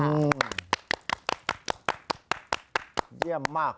เยี่ยมมากค่ะ